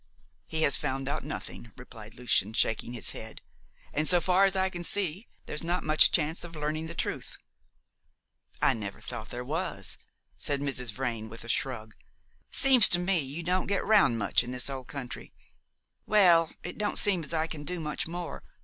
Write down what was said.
"He has found out nothing," replied Lucian, shaking his head, "and, so far as I can see, there's not much chance of learning the truth." "I never thought there was," said Mrs. Vrain, with a shrug. "Seems to me you don't get round much in this old country. Well, it don't seem as I can do much more.